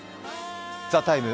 「ＴＨＥＴＩＭＥ，」